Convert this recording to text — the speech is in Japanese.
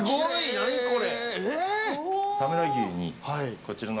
何これ！